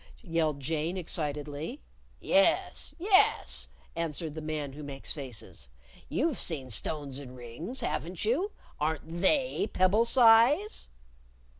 yelled Jane, excitedly. "Yes! Yes!" answered the Man Who Makes Faces. "You've seen stones in rings, haven't you? Aren't they pebble size?"